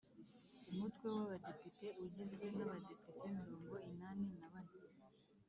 Umutwe w’Abadepite ugizwe n’Abadepite mirongo inani na bane